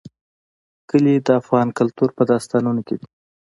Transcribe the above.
کلي د افغان کلتور په داستانونو کې دي.